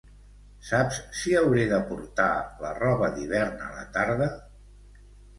Saps si hauré de portar la roba d'hivern a la tarda?